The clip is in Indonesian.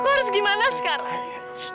kau harus gimana sekarang